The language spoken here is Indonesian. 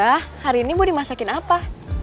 ah hari ini mau dimasakin apa